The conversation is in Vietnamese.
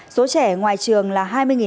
số trẻ ngoài trường là hai mươi